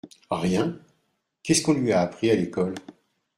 Rien ! qu’est-ce qu’on lui a appris à l’école ?